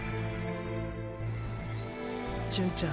純ちゃん。